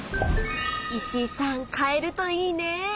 石井さん買えるといいね。